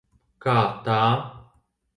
Kā tā?